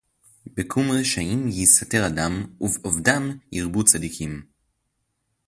בְּק֣וּם רְ֭שָׁעִים יִסָּתֵ֣ר אָדָ֑ם וּ֝בְאָבְדָ֗ם יִרְבּ֥וּ צַדִּיקִֽים׃